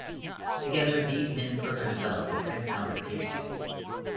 Together, these men further developed the Prince Albert piercing.